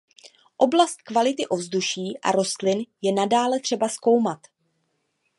Oblast kvality ovzduší a rostlin je nadále třeba zkoumat.